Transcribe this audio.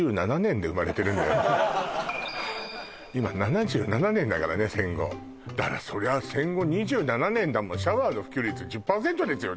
今７７年だからね戦後だからそりゃあ戦後２７年だもんシャワーの普及率１０％ですよね